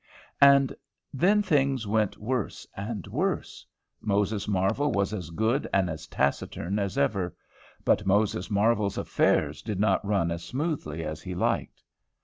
And then things went worse and worse. Moses Marvel was as good and as taciturn as ever. But Moses Marvel's affairs did not run as smoothly as he liked.